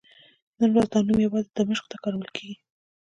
نن ورځ دا نوم یوازې دمشق ته کارول کېږي.